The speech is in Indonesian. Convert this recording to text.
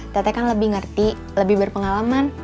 tete kan lebih ngerti lebih berpengalaman